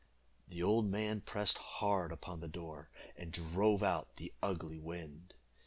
The old man pressed hard upon the door, and drove out the ugly wind.